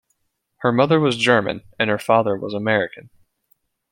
Her mother was German, and her father was American.